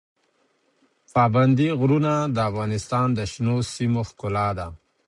پابندی غرونه د افغانستان د شنو سیمو ښکلا ده.